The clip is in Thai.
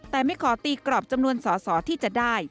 แต่ไม่ขอตีกรอบจำนวนสอสอที่จะได้